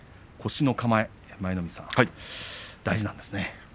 腰の構え舞の海さん、大事なんですね。